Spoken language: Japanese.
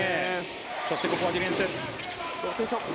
そしてここはディフェンス。